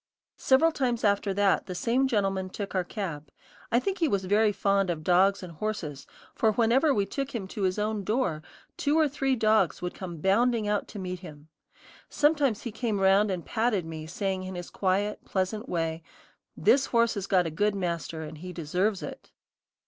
Several times after that, the same gentleman took our cab. I think he was very fond of dogs and horses, for whenever we took him to his own door, two or three dogs would come bounding out to meet him. Sometimes he came round and patted me saying in his quiet, pleasant way: "This horse has got a good master, and he deserves it."